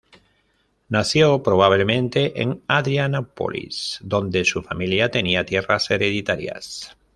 Nació probablemente en Adrianópolis, donde su familia tenía tierras hereditarias.